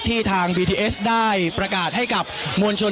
เดี๋ยวฟังบริกาศสักครู่นะครับคุณผู้ชมครับ